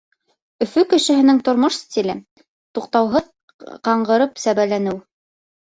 Өфө кешеһенең тормош стиле — туҡтауһыҙ ҡаңғырып сәбәләнеү.